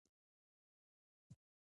په خپل عقل او په پوهه دنیادار یې